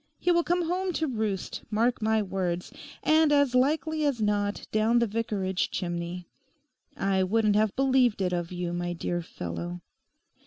He will come home to roost—mark my words. And as likely as not down the Vicarage chimney. I wouldn't have believed it of you, my dear fellow.